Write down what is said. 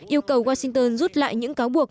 yêu cầu washington rút lại những cáo buộc